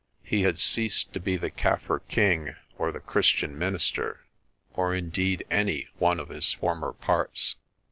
He had ceased to be the Kaffir king or the Christian minister or indeed any one of his former parts.